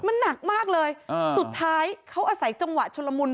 มันหนักมากเลยสุดท้ายเขาอาศัยจังหวะชุลมุน